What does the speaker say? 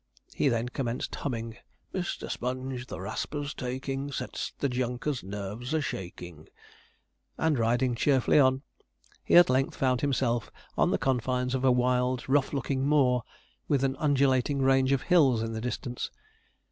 He then commenced humming: Mister Sponge, the raspers taking, Sets the junkers' nerves a shaking; and riding cheerfully on, he at length found himself on the confines of a wild rough looking moor, with an undulating range of hills in the distance.